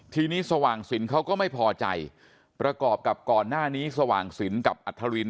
ทีนี้สว่างสินเขาก็ไม่พอใจประกอบกับก่อนหน้านี้สว่างสินกับอัธริน